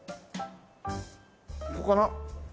ここかな？